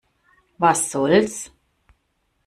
Was soll's?